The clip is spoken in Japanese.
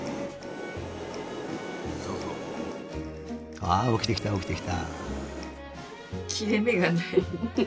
ああおきてきたおきてきた。